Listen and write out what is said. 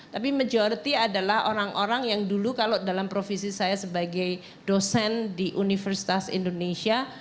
tapi majority adalah orang orang yang dulu kalau dalam profesi saya sebagai dosen di universitas indonesia